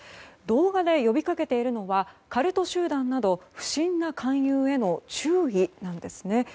動画で呼びかけているのはカルト集団など不審な勧誘への注意なんですね。